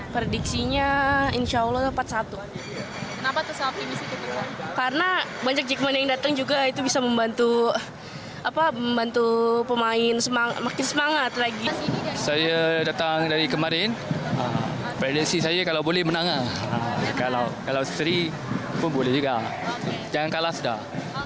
pemimpin prediksi saya kalau boleh menang kalau seri pun boleh juga jangan kalah sudah